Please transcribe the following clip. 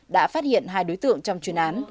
đã phát hiện hai đối tượng trong chuyên án